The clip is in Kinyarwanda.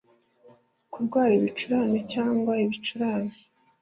kurwara ibicurane cyangwa ibicurane!